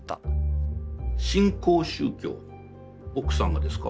新興宗教奥さんがですか？